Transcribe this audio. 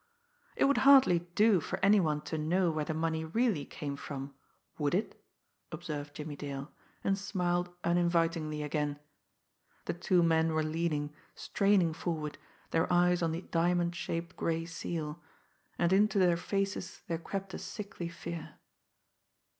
"It would hardly do for any one to know where the money really came from would it?" observed Jimmie Dale, and smiled uninvitingly again. The two men were leaning, straining forward, their eyes on the diamond shaped gray seal and into their faces there crept a sickly fear.